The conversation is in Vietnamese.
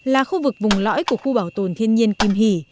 là khu vực vùng lõi của khu bảo tồn thiên nhiên kim hỷ